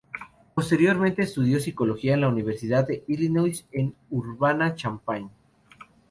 Posteriormente, estudió Psicología en la Universidad de Illinois en Urbana-Champaign.